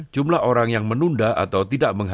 jumlah orang yang menunda atau tidak